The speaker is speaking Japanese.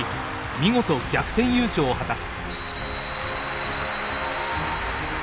見事逆転優勝を果たす。